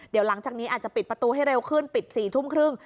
เดี๋ยวหลังจากนี้อาจจะปิดประตูให้เร็วขึ้นปิด๔ทุ่มครึ่ง